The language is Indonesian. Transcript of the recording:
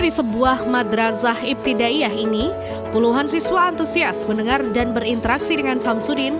di daerah ini puluhan siswa antusias mendengar dan berinteraksi dengan sam sudin